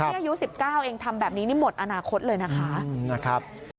นี่อายุ๑๙เองทำแบบนี้นี่หมดอนาคตเลยนะคะ